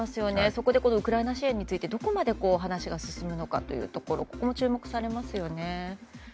そこでウクライナ支援についてどこまで話が進むのかも注目されますね。